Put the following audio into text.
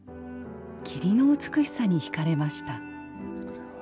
霧の美しさに引かれました。